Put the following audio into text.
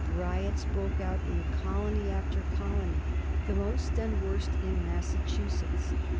Riots broke out in colony after colony; the most and worst in Massachusetts.